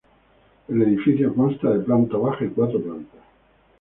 El edificio consta de planta baja y cuatro plantas.